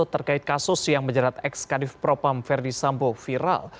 terkait kasus yang menjerat ekskadif propam ferdis sampo viral